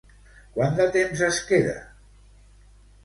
Quant de temps es queda?